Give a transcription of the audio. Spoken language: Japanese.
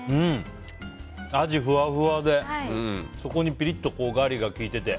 アジもふわふわでそこにピリッとガリが効いてて。